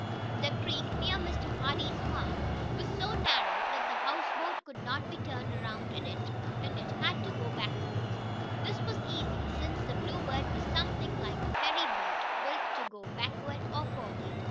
The creek, near Mr. Hardee's farm, was so narrow that the houseboat could not be turned around in it, and it had to go backward. This was easy, since the Bluebird was something like a ferry boat, built to go backward or forward.